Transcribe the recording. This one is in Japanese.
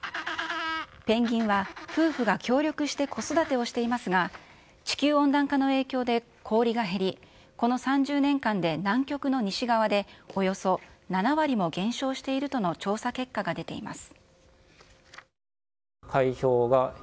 ペンギンは夫婦が協力して子育てをしていますが、地球温暖化の影響で氷が減り、この３０年間で南極の西側でおよそ７割も減少しているとの調査結果が出ています。